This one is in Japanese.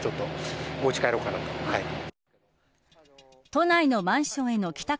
都内のマンションへの帰宅